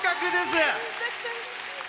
めちゃくちゃうれしい。